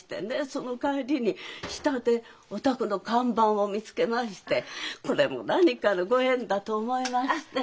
その帰りに下でお宅の看板を見つけましてこれも何かのご縁だと思いまして。